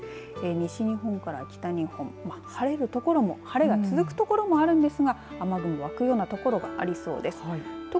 西日本から北日本晴れるところも晴れが続くところもあるんですが雨雲湧くようなところがありそうです。